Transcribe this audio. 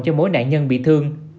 cho mỗi nạn nhân bị thương